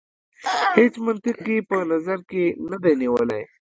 هیڅ منطق یې په نظر کې نه دی نیولی.